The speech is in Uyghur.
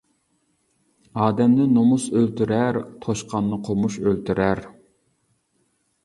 ئادەمنى نومۇس ئۆلتۈرەر، توشقاننى قومۇش ئۆلتۈرەر.